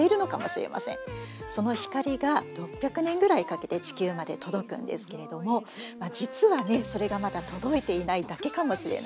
その光が６００年ぐらいかけて地球まで届くんですけれども実はそれがまだ届いていないだけかもしれないっていうね